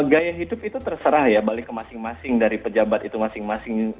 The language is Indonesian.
gaya hidup itu terserah ya balik ke masing masing dari pejabat itu masing masing